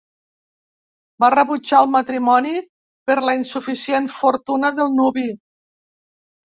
Va rebutjar el matrimoni per la insuficient fortuna del nuvi.